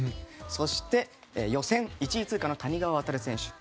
そして、予選１位通過の谷川航選手。